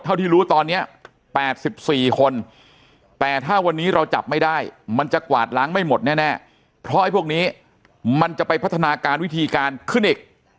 เท่าที่รู้ตอนนี้๘๔คนแต่ถ้าวันนี้เราจับไม่ได้มันจะกวาดล้างไม่หมดแน่เพราะไอ้พวกนี้มันจะไปพัฒนาการวิธีการขึ้นอีก